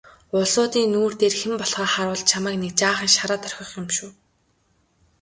Улсуудын нүүр дээр хэн болохоо харуулж чамайг нэг жаахан шараад орхих юм шүү.